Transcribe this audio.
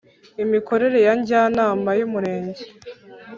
Imikorere ya Njyanama y umurenge